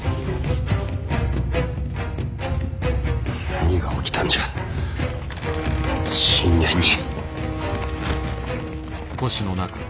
何が起きたんじゃ信玄に。